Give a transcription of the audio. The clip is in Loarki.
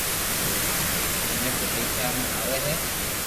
منو تو ديکيا ۾ آوي ھي